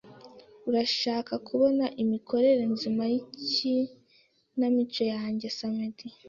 Urashaka kubona imikorere nzima yikinamico nanjye samedi?